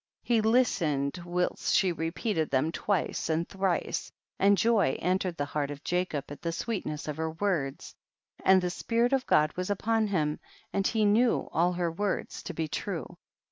97. He listened whilst she repeat ed them twice and thrice, and joy entered the heart of Jacob at the sweetness of her words, and the spi rit of God was upon him, and he knew all her words to be true.